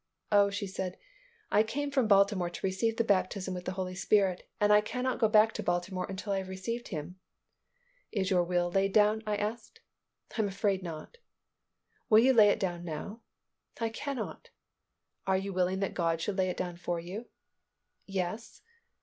"Oh," she said, "I came from Baltimore to receive the baptism with the Holy Spirit, and I cannot go back to Baltimore until I have received Him." "Is your will laid down?" I asked. "I am afraid not." "Will you lay it down now?" "I cannot." "Are you willing that God should lay it down for you?" "Yes."